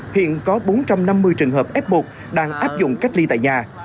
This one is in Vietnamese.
hiện có bốn trăm năm mươi trường hợp f một đang áp dụng cách ly tại nhà